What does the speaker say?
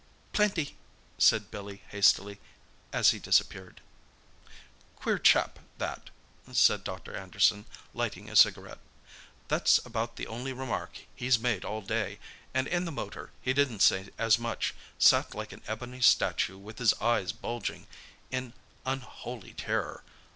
"Plenty!" said Billy hastily, as he disappeared. "Queer chap, that," said Dr. Anderson, lighting a cigarette. "That's about the only remark he's made all day, and in the motor he didn't say as much—sat like an ebony statue, with his eyes bulging in unholy terror.